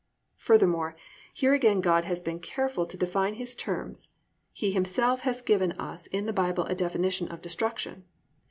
Furthermore, here again God has been careful to define His terms. He Himself has given us in the Bible a definition of "destruction."